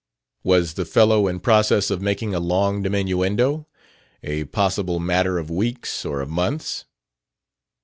Was the fellow in process of making a long diminuendo a possible matter of weeks or of months?